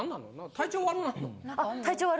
体調悪なんの？